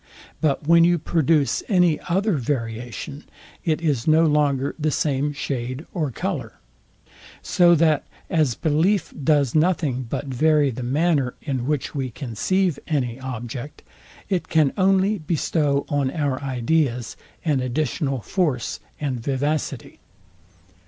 But when you produce any other variation, it is no longer the same shade or colour. So that as belief does nothing but vary the manner, in which we conceive any object, it can only bestow on our ideas an additional force and vivacity.